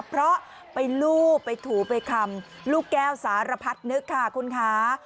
เพราะไปลูบไปถูไปคำลูกแก้วสารพัดนึกค่ะคุณคะ